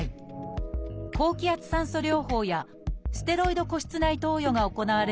高気圧酸素療法やステロイド鼓室内投与が行われることがあります